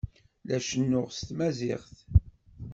La cennuɣ s tmaziɣt.